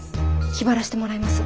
気張らしてもらいます。